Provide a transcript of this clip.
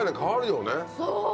そう！